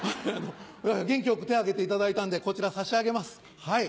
元気よく手を挙げていただいたんでこちら差し上げます。